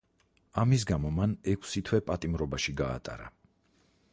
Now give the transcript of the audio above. ამის გამო მან ექვსი თვე პატიმრობაში გაატარა.